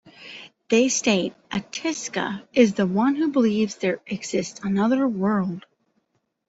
They state, Astika is the one who believes there exists another world.